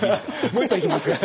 もう一杯いきますか。